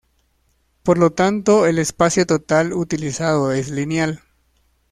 Por lo tanto el espacio total utilizado es lineal.